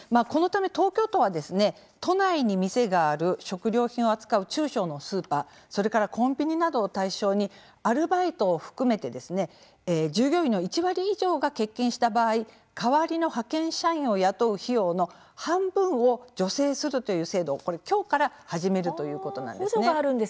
このため東京都は都内に店がある食料品を扱う中小のスーパーそれからコンビニなどを対象にアルバイトを含めて従業員の１割以上が欠勤した場合代わりの派遣社員を雇う費用の半分を助成するという制度をきょうから始めるということなんです。